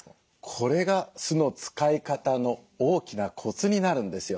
これが酢の使い方の大きなコツになるんですよ。